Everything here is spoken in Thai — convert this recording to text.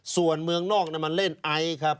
ส่วนเมืองนอกมันเล่นไอซ์ครับ